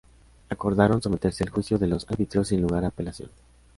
Acordaron someterse al juicio de los árbitros sin lugar a apelación.